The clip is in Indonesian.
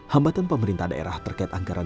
hambatan pemerintah daerah terkait anggaran